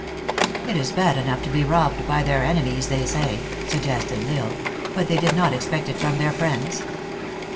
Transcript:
" It is bad enough to be robbed by their enemies, they say," suggested L Isle, " but they did not expect it from their friends."